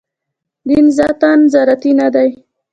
دین ذاتاً زراعتي نه دی.